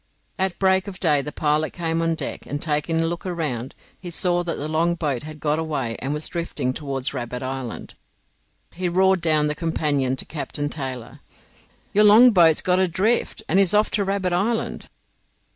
At break of day the pilot came on deck, and on taking a look round, he saw that the longboat had got away and was drifting towards Rabbit Island. He roared down the companion to Captain Taylor, "Your longboat's got adrift, and is off to Rabbit Island."